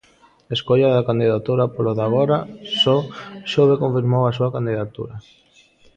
Escolla da candidatura Polo de agora, só Xove confirmou a súa candidatura.